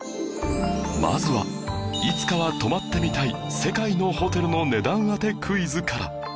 まずはいつかは泊まってみたい世界のホテルの値段当てクイズから